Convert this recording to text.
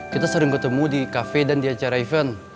kita sering ketemu di kafe dan di acara event